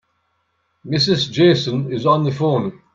Mrs. Jason is on the phone.